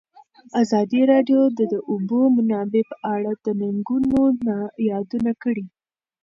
ازادي راډیو د د اوبو منابع په اړه د ننګونو یادونه کړې.